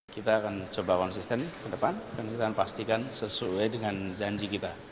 kita akan coba konsisten ke depan dan kita akan pastikan sesuai dengan janji kita